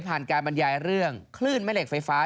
การบรรยายเรื่องคลื่นแม่เหล็กไฟฟ้า